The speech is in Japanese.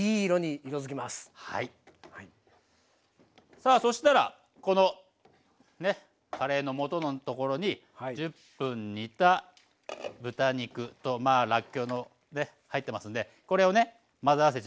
さあそしたらこのカレーのもとのところに１０分煮た豚肉とらっきょうのね入ってますんでこれをね混ぜ合わせちゃいますよ。